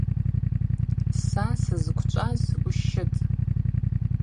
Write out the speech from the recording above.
Са сызквчӏваз ущытӏ.